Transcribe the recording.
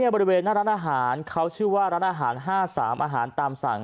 บริเวณหน้าร้านอาหารเขาชื่อว่าร้านอาหาร๕๓อาหารตามสั่ง